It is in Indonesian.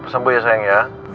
sembuh ya sayang ya